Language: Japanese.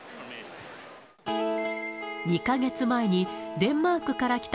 ２か月前にデンマークから来